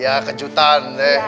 ya kecutan deh